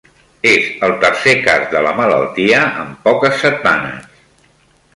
És el tercer cas de la malaltia en poques setmanes